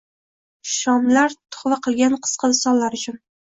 Shomlar tuhfa qilgan qisqa visollar uchun.